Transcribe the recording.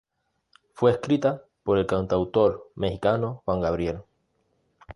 Fue escrita por el cantautor mexicano Juan Gabriel.